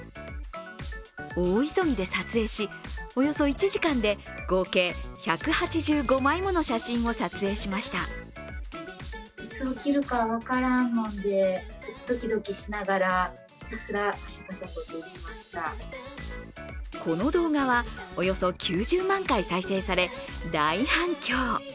大急ぎで撮影し、およそ１時間で合計１８５枚もの写真を撮影しましたこの動画は、およそ９０万再生され大反響。